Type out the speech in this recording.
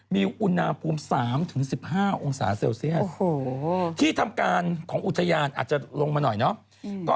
มีอุณหภูมิ๓๑๕องศาเซลเซียสที่ทำการของอุทยานอาจจะลงมาหน่อยเนาะ